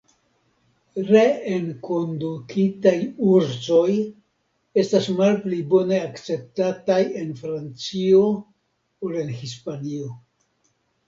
Reenkondukitaj ursoj estas malpli bone akceptataj en Francio ol en Hispanio.